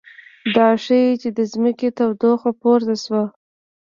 دا ښيي چې د ځمکې تودوخه پورته شوه